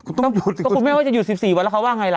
ก็คุณแม่ว่าจะหยุด๑๔วันแล้วเขาว่าไงล่ะ